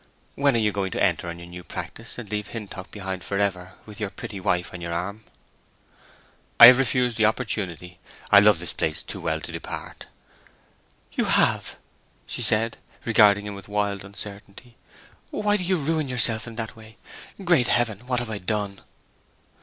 When are you going to enter on your new practice, and leave Hintock behind forever, with your pretty wife on your arm?" "I have refused the opportunity. I love this place too well to depart." "You have?" she said, regarding him with wild uncertainty. "Why do you ruin yourself in that way? Great Heaven, what have I done!"